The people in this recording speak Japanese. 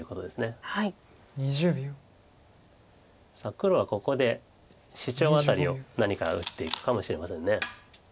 黒はここでシチョウアタリを何か打っていくかもしれません。